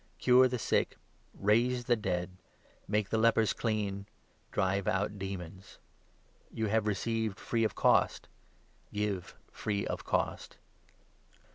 Cure the sick, raise the dead, make the lepers clean, drive 8 out demons. You have received free of cost, give free of cost.